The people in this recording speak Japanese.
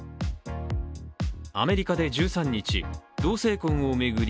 アメリカで１３日、同性婚を巡り